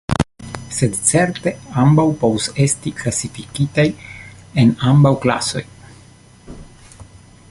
Sed certe ambaŭ povus esti klasifikitaj en ambaŭ klasoj.